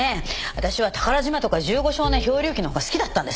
私は『宝島』とか『十五少年漂流記』のほうが好きだったんです。